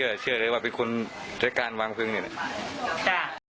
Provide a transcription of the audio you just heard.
เธอเชื่อแล้วว่าเป็นคนที่รักการวางเพลิงนี้แหละจ้ะ